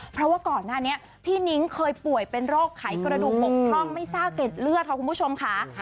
เพราะว่าก่อนหน้านี้พี่นิ้งเคยป่วยเป็นโรคไขกระดูกปกท่องไม่ทราบเกร็ดเลือดค่ะคุณผู้ชมค่ะ